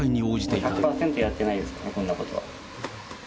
１００％やってないですからね、そんなことは。